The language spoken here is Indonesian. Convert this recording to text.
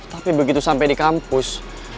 tapi begitu sampai di kampus